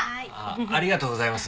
ありがとうございます。